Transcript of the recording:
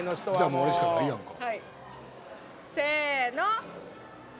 もうあれしかないやんか。